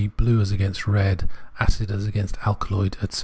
blue as against red, acid as against alkaloid, etc.